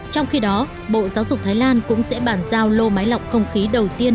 trong khi đó bộ giáo dục thái lan cũng sẽ bàn giao lô máy lọc không khí đầu tiên